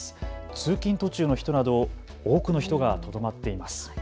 通勤途中の人など多くの人がとどまっています。